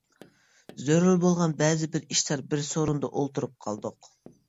زۆرۈر بولغاچ بەزى بىر ئىشلار، بىر سورۇندا ئولتۇرۇپ قالدۇق.